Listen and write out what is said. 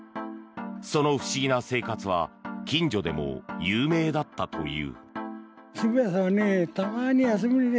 その不思議な生活は近所でも有名だったという。